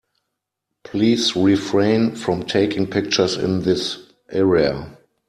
Please refrain from taking pictures in this area.